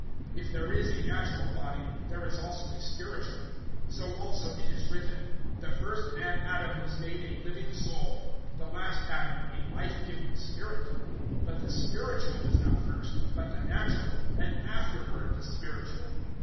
If there is a natural body, there is also a spiritual. (45)So also it is written: The first man Adam was made a living soul; the last Adam a life giving spirit. (46)But the spiritual is not first, but the natural; and afterward the spiritual.